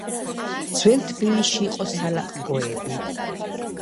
ძველ თბილისში იყო სალაყბოები